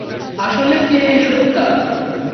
আসলে কে এই সত্যা?